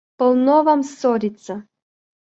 – Полно вам ссориться.